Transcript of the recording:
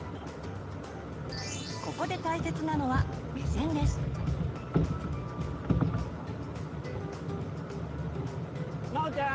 ここで大切なのはまおちゃん